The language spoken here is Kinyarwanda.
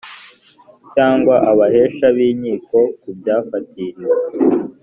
cyangwa abahesha b inkiko ku byafatiriwe